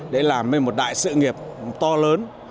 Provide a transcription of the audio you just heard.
để làm nên một đại sự nghiệp to lớn